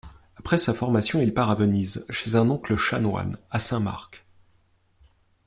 Après sa formation il part à Venise chez un oncle chanoine à Saint-Marc.